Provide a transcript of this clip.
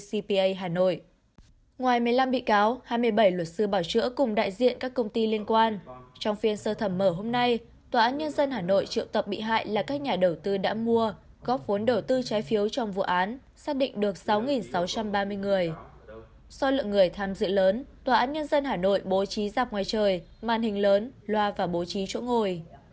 so với lượng người tham dự lớn tòa án nhân dân hà nội bố trí dạp ngoài trời màn hình lớn loa và bố trí chỗ ngồi